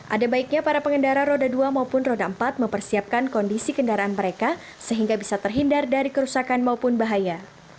ada baiknya para pengendara roda dua maupun roda empat mempersiapkan kondisi kendaraan mereka sehingga bisa terhindar dari kerusakan maupun bahaya